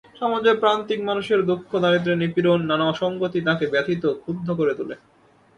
সমাজের প্রান্তিক মানুষের দুঃখ-দারিদ্র্যের নিপীড়ন, নানা অসংগতি তাঁকে ব্যথিত, ক্ষুব্ধ করে তোলে।